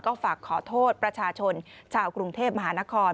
ก็ฝากขอโทษประชาชนชาวกรุงเทพมหานคร